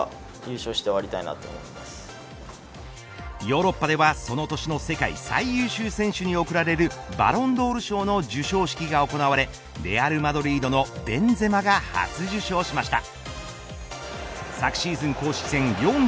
ヨーロッパでは、その年の世界最優秀選手に送られるバロンドール賞の授賞式が行われレアル・マドリードのベンゼマが初受賞しました。